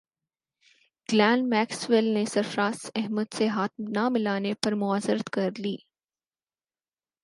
Glenn Maxwell نے سرفراز احمد سے ہاتھ نہ ملانے پر معذرت کر لی